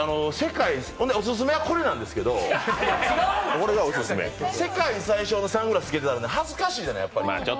オススメはこれなんですけど、世界最小のサングラスつけてたら恥ずかしいじゃない、やっぱり。